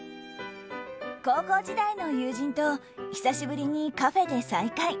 高校時代の友人と久しぶりにカフェで再会。